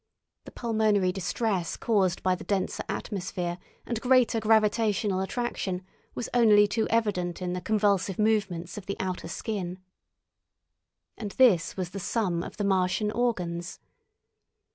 The pulmonary distress caused by the denser atmosphere and greater gravitational attraction was only too evident in the convulsive movements of the outer skin. And this was the sum of the Martian organs.